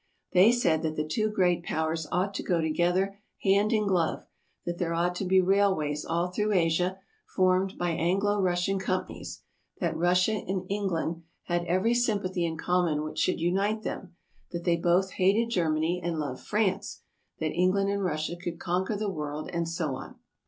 They said that the two great pow ers ought to go together hand in glove ; that there ought to be railways all through Asia, formed by Anglo Russian companies; that Russia and England had every sympathy 294 TRAVELERS AND EXPLORERS in common which should unite them ; that they both hated Germany and loved France ; that England and Russia could conquer the world, and so on.